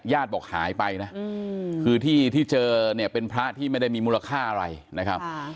บอกหายไปนะคือที่ที่เจอเนี่ยเป็นพระที่ไม่ได้มีมูลค่าอะไรนะครับ